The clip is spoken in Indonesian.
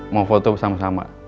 mau foto bersama sama